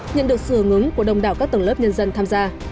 nhận được sự hưởng ứng của đồng đảo các tầng lớp nhân dân tham gia